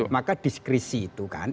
maka diskresi itu kan